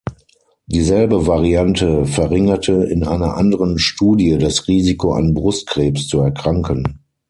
Dieselbe Variante verringerte in einer anderen Studie das Risiko an Brustkrebs zu erkranken.